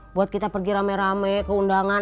buat kita pergi rame rame ke undangan